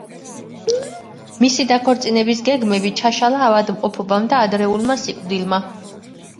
მისი დაქორწინების გეგმები ჩაშალა ავადმყოფობამ და ადრეულმა სიკვდილმა.